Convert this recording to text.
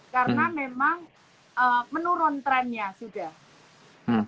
karena memang menurun trennya sudah